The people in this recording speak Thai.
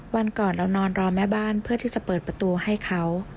วันก่อนเรานอนรอแม่บ้านเพื่อที่จะเปิดประตูให้เขา